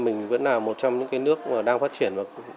mình vẫn là một trong những cái nước đang phát triển